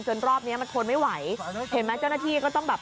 รอบเนี้ยมันทนไม่ไหวเห็นไหมเจ้าหน้าที่ก็ต้องแบบ